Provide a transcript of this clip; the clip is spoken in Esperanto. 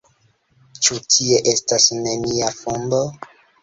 Ĉu tie estas nenia fundo?